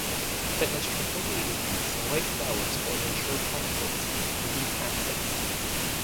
It has trifoliate leaves and white flowers borne in short panicles in leaf axils.